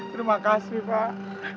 terima kasih pak